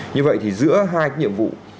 như vậy thì giữa hai cái nhiệm vụ